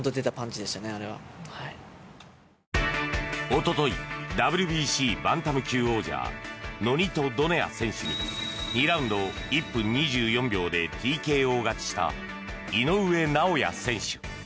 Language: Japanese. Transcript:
おとといＷＢＣバンタム級王者ノニト・ドネア選手に２ラウンド１分２４秒でＴＫＯ勝ちした井上尚弥選手。